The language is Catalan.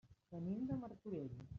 Venim de Martorell.